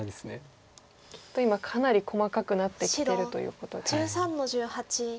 きっと今かなり細かくなってきてるということで。